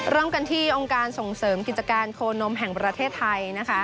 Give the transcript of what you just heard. เริ่มกันที่องค์การส่งเสริมกิจการโคนมแห่งประเทศไทยนะคะ